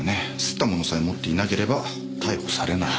掏ったものさえ持っていなければ逮捕されない。